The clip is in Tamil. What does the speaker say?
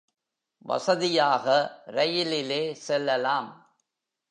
வசதியாக ரயிலிலே செல்லலாம்.